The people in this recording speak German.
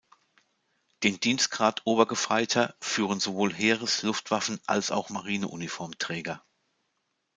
Den Dienstgrad Obergefreiter führen sowohl Heeres-, Luftwaffen- als auch Marineuniformträger.